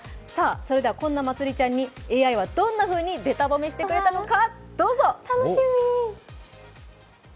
それではこんなまつりちゃんにＡＩはどんなふうにべた褒めしてくれたのか。